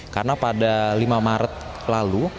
karena pada lima maret lalu